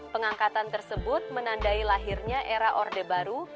pengangkatan tersebut menandai lahirnya era orde baru